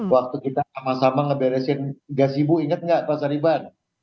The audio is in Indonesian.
waktu kita sama sama ngeberesin gasi bu inget nggak pak sariban